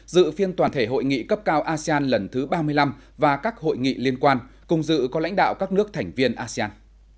dự phiên toàn thể hội nghị cấp cao asean lần thứ ba mươi năm và các hội nghị liên quan cùng dự có lãnh đạo các nước thành viên asean